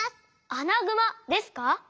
アナグマですか？